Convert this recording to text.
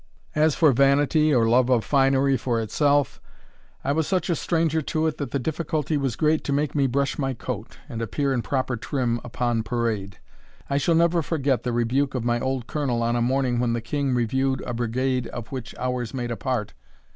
As for vanity, or love of finery for itself, I was such a stranger to it, that the difficulty was great to make me brush my coat, and appear in proper trim upon parade. I shall never forget the rebuke of my old Colonel on a morning when the King reviewed a brigade of which ours made part.